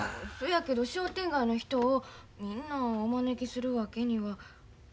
そやけど商店街の人をみんなお招きするわけには。